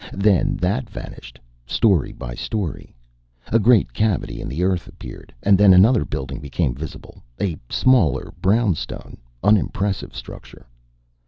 Then that vanished, story by story. A great cavity in the earth appeared, and then another building became visible, a smaller, brown stone, unimpressive structure.